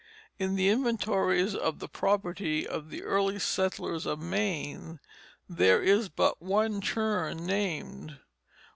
In the inventories of the property of the early settlers of Maine there is but one churn named.